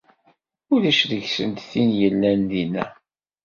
Ulac deg-sent tin i yellan dina.